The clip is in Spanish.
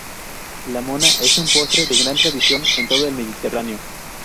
La mona es un postre de gran tradición en todo el Mediterráneo.